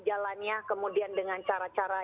jalannya kemudian dengan cara cara